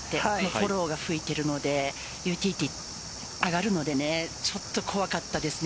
フォローが吹いているのでユーティリティー、上がるのでちょっと怖かったですね